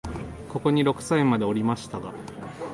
ここに六歳までおりましたが、